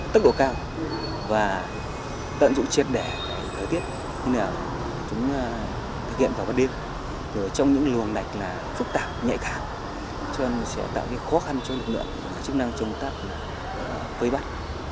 trong những lường đạch phức tạp nhạy thảm cho nên sẽ tạo khó khăn cho lực lượng chức năng chống tắc với bắt